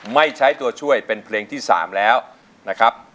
ไม่ใช้ตัวช่วยเป็นเพลงที่๓แล้วนะครับ